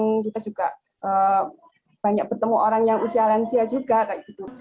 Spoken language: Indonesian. kita juga banyak bertemu orang yang usia lansia juga